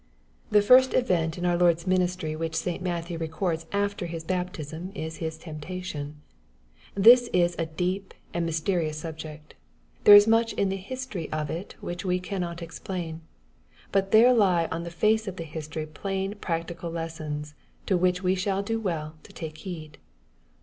The first event in our Lord's ministry which St. Matthew records after His baptism, is His temptation. This is a deep and mysterious subject. There is much in the history of it which we cannot explain. But there lie on the face of the history plain practical lessons, to which we shall do well to take heed.